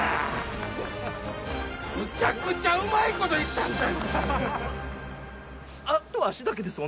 むちゃくちゃうまいこといったんちゃいます？